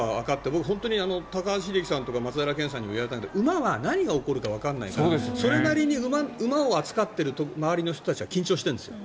僕、本当に高橋英樹さんとか松平健さんとかにも言われたけど馬は何が起こるかわからないからそれなりに馬を扱っている周りの人たちは緊張しているんですよ。